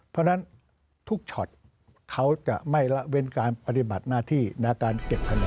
เพราะฉะนั้นทุกช็อตเขาจะไม่ละเว้นการปฏิบัติหน้าที่ในการเก็บคะแนน